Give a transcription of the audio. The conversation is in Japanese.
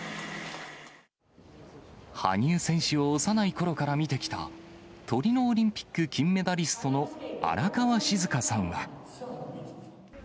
羽生選手を幼いころから見てきた、トリノオリンピック金メダリストの荒川静香さんは。